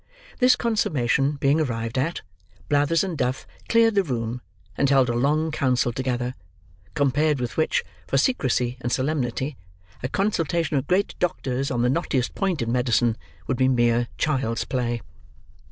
This consummation being arrived at, Blathers and Duff cleared the room, and held a long council together, compared with which, for secrecy and solemnity, a consultation of great doctors on the knottiest point in medicine, would be mere child's play.